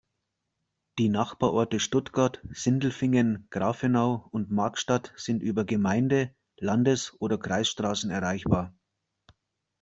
Die Nachbarorte Stuttgart, Sindelfingen, Grafenau und Magstadt sind über Gemeinde-, Landes- oder Kreisstraßen erreichbar.